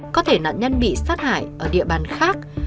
có thể nạn nhân bị sát hại ở địa bàn khác